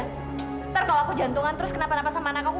ntar kalau aku jantungan terus kenapa napa sama anakku